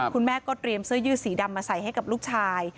คุณแม่ก็เตรียมเสื้อยืดสีดำมาใส่ให้กับลูกชาย